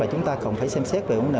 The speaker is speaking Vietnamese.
chúng ta còn phải xem xét